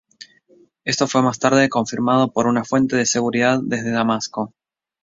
Esto fue más tarde confirmado por una fuente de seguridad desde Damasco.